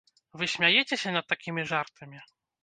Вы смяецеся над такімі жартамі?